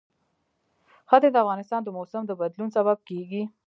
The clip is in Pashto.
ښتې د افغانستان د موسم د بدلون سبب کېږي.